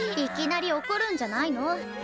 いきなり怒るんじゃないの？